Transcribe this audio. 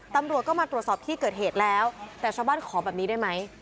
ตำรวจก็มาตรวจสอบที่เกิดเหตุแล้วแต่ชาวบ้านขอแบบนี้ได้ไหม